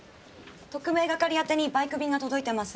特命係あてにバイク便が届いてます。